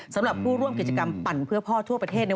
สำหรับผู้ร่วมกิจกรรมปั่นเพื่อพ่อทั่วประเทศ